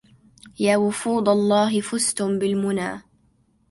يا وفود الله فزتم بالمنى